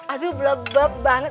aduh bele beb banget